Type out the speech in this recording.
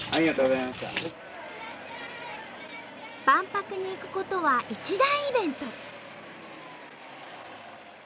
万博に行くことは一大イベント。